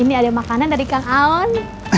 ini ada makanan dari kang aun